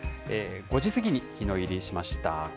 ５時過ぎに日の入りしました。